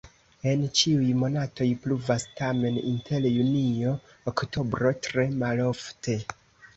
En ĉiuj monatoj pluvas, tamen inter junio-oktobro tre malofte.